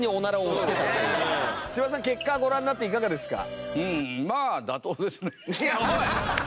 千葉さん結果ご覧になっていかがですか？